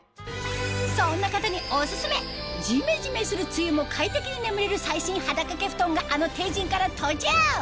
そんな方にオススメジメジメする梅雨も快適に眠れる最新肌掛け布団があのＴＥＩＪＩＮから登場！